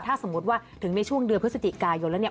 ถ้าสมมุติว่าถึงในช่วงเดือนพฤศจิกายนแล้วเนี่ย